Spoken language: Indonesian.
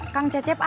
kang kecep ada